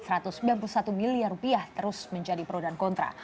rp satu ratus sembilan puluh satu miliar terus menjadi pro dan kontra